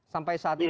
sampai saat ini